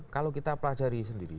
kalau kita pelajari sendiri